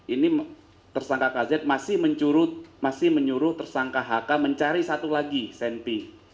ini tersangka kz masih menyuruh tersangka hk mencari satu lagi senpi